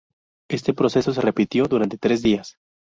Este proceso se repitió durante tres días.